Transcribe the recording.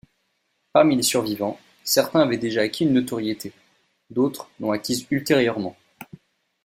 Parmi les survivants, certains avaient déjà acquis une notoriété, d’autres l'ont acquise ultérieurement.